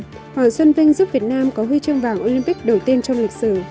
vì vậy hoàng xuân vinh giúp việt nam có ghi chương vàng olympic đầu tiên trong lịch sử